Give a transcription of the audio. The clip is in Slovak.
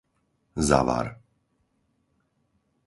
Zavar